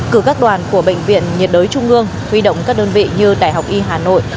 cử các đoàn của bệnh viện nhiệt đới trung ương huy động các đơn vị như đại học y hà nội